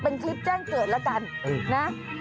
เป็นคลิปแจ้งเกิดแล้วกันนะ